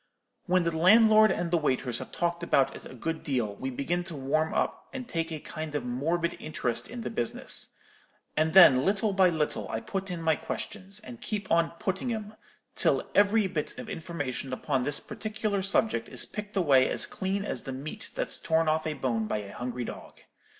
When the landlord and the waiters have talked about it a good deal, we begin to warm up, and take a kind of morbid interest in the business; and then, little by little, I put in my questions, and keep on putting 'em till every bit of information upon this particular subject is picked away as clean as the meat that's torn off a bone by a hungry dog.